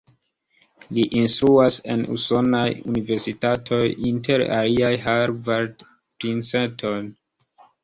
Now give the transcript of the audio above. Li instruas en usonaj universitatoj, inter aliaj Harvard, Princeton.